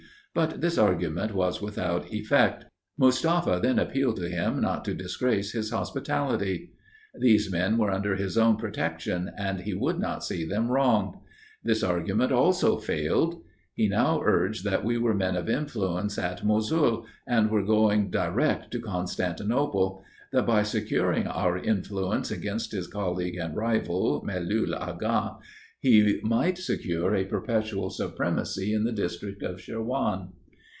But this argument was without effect. Mustafa then appealed to him not to disgrace his hospitality. These men were under his own protection, and he would not see them wronged. This argument also failed. He now urged that we were men of influence at Mosul, and were going direct to Constantinople; that, by securing our influence against his colleague and rival, Melul Agha, he might secure a perpetual supremacy in the district of Sherwan.